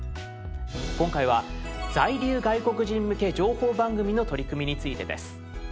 今回は「在留外国人向け情報番組」の取り組みについてです。